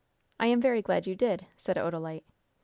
"I am very glad you did!" said Odalite.